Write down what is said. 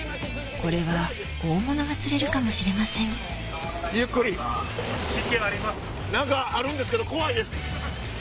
これは大物が釣れるかもしれません何かあるんですけど怖いです！